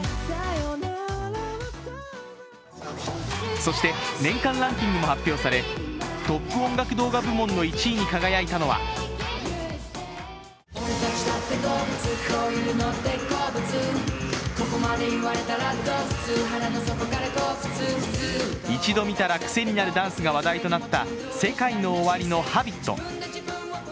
そして、年間ランキングも発表されトップ音楽動画部門の１位に輝いたのは一度見たら、クセになるダンスが話題となったＳＥＫＡＩＮＯＯＷＡＲＩの「Ｈａｂｉｔ」。